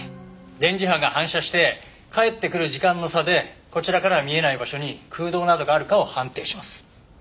電磁波が反射して返ってくる時間の差でこちらからは見えない場所に空洞などがあるかを判定します。